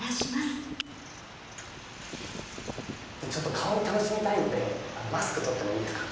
香り楽しみたいのでマスク取ってもいいですか？